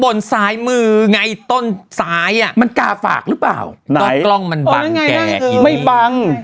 บนซ้ายมือไงต้นซ้ายอ่ะมันกาฝากหรือเปล่าต้นกล้องมันบังไงไม่บัง